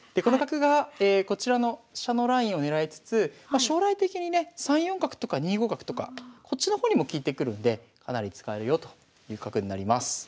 この角がこちらの飛車のラインを狙いつつ将来的にね３四角とか２五角とかこっちの方にも利いてくるんでかなり使えるよという角になります。